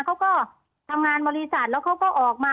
เขาก็ทำงานบริษัทแล้วเขาก็ออกมา